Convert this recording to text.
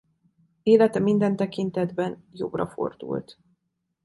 Élete minden tekintetben jobbra fordult.